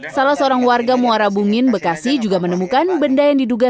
salah seorang warga muara bungin bekasi juga menemukan benda yang diduga